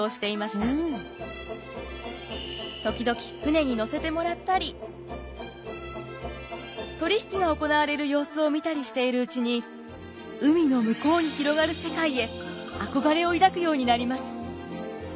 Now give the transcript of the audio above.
時々船に乗せてもらったり取り引きが行われる様子を見たりしているうちに海の向こうに広がる世界へ憧れを抱くようになります。